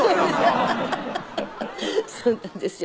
それそうなんですよ